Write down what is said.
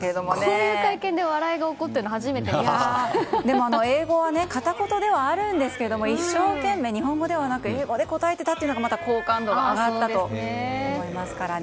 こんな会見で笑いが起こってるのでも、英語は片言ではあるんですけども一生懸命、日本語ではなく英語で答えていたのがまた好感度が上がったと思いますからね。